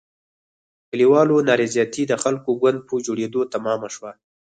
کلیوالو نارضایتي د خلکو ګوند په جوړېدو تمامه شوه.